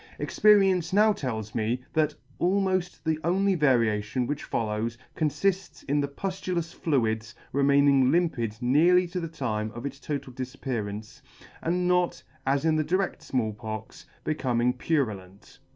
Experience now tells me that almoft the only variation which follows conlifts in the puftulous fluids remaining limpid nearly to the time of its total difappearaince ; and not, as in the dired Small Pox, becoming purulent.